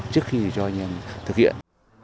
trước khi cho nhân thực hiện